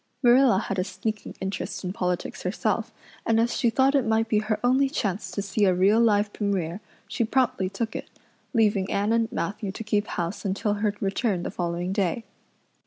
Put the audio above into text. Marilla had a sneaking interest in politics herself, and as she thought it might be her only chance to see a real live Premier, she promptly took it, leaving Anne and Matthew to keep house until her return the following day.